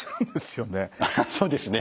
そうですね。